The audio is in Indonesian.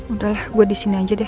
udah lah gue disini aja deh